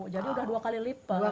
jadi udah dua kali lipat